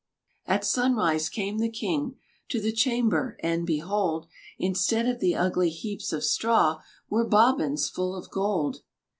At sunrise came the king To the chamber, and, behold, Instead of the ugly heaps of straw Were bobbins full of gold!